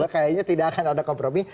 kayaknya tidak akan ada kompromi